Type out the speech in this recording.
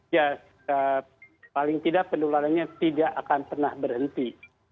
ya paling tidak penularannya tidak akan pernah berhenti